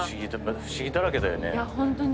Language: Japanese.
不思議だらけだよね。